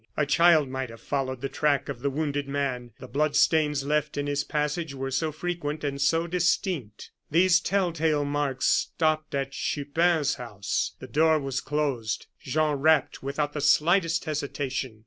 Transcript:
A child might have followed the track of the wounded man, the blood stains left in his passage were so frequent and so distinct. These tell tale marks stopped at Chupin's house. The door was closed; Jean rapped without the slightest hesitation.